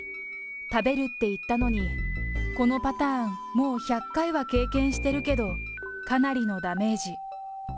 食べるって言ったのに、このパターン、もう１００回は経験してるけど、かなりのダメージ。